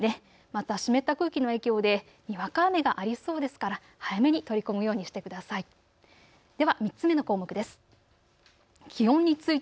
また湿った空気の影響でにわか雨がありそうですから早めに取り込むようにしてください。